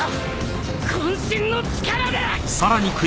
渾身の力で！